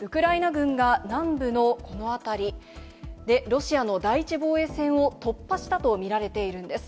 ウクライナ軍が、南部のこの辺りで、ロシアの第１防衛線を突破したと見られているんです。